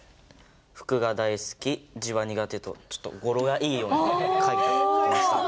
「服が大好き」「字は苦手」とちょっと語呂がいいように書いてみました。